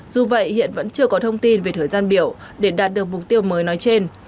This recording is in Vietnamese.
dù vậy hiện vẫn chưa có thông tin về thời gian biểu để đạt được mục tiêu mới nói trên